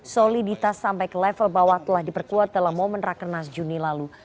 soliditas sampai ke level bawah telah diperkuat dalam momen rakernas juni lalu